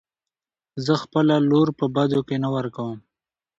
زه خپله لور په بدو کې نه ورکم .